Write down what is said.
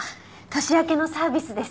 年明けのサービスです。